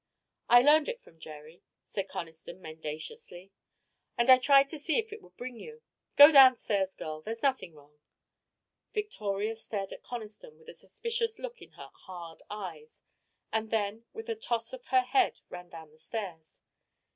"I learned it from Jerry," said Conniston, mendaciously, "and I tried to see if it would bring you. Go downstairs, girl. There's nothing wrong." Victoria stared at Conniston with a suspicious look in her hard eyes, and then with a toss of her head ran down the stairs.